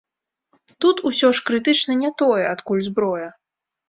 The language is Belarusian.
Тут усё ж крытычна не тое, адкуль зброя.